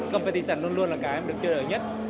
competition luôn luôn là cái được chơi đổi nhất